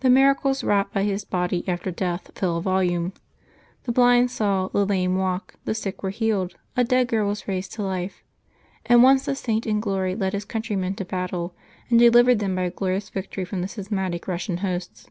The miracles wrought by his body after death fill a volume. The blind saw, the lame walked, the sick were healed, a dead girl was raised to life. And once the Saint in glory led his countrymen to battle, and delivered them by a glorious victory from the schismatic Eussian hosts.